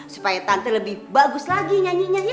supaya tante lebih bagus lagi nyanyinya